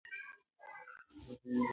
په مني کې ځمکه له رنګارنګ پاڼو څخه ډکېږي.